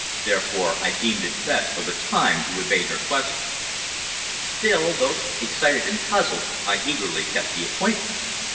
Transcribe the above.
Therefore I deemed it best for the time to evade her question. Still, both excited and puzzled, I eagerly kept the appointment.